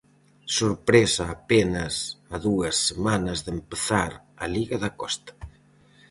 Sorpresa apenas a dúas semanas de empezar a liga da Costa.